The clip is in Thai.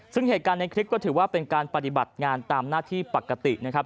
ซึ่งเหตุการณ์ในคลิปก็ถือว่าเป็นการปฏิบัติงานตามหน้าที่ปกตินะครับ